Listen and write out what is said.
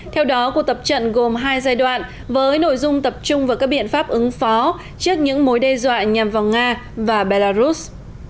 theo đó cuộc tập trận gồm hai giai đoạn với nội dung tập trung vào các biện pháp ứng phó trước những mối đe dọa nhằm vào nga và belarus